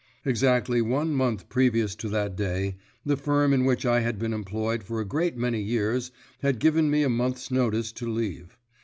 Exactly one month previous to that day, the firm in which I had been employed for a great many years had given me a month's notice to leave.